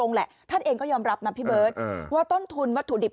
แหละท่านเองก็ยอมรับนะพี่เบิร์ตว่าต้นทุนวัตถุดิบ